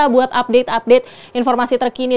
buat update update informasi terkini